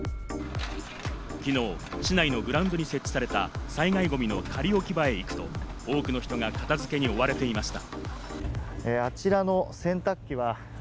きのう市内のグラウンドに設置された災害ゴミの仮置き場へ行くと、多くの人が片付けに追われていました。